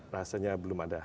rasanya belum ada